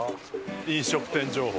飲食店情報。